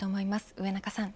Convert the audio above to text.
上中さん。